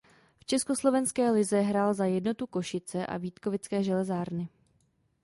V československé lize hrál za Jednotu Košice a Vítkovické železárny.